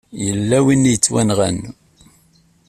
Yella win i yettwanɣan.